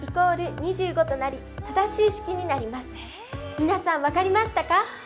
皆さん、分かりましたか？